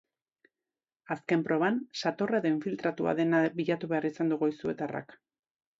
Azken proban, satorra edo infiltratua dena bilatu behar izan du goizuetarrak.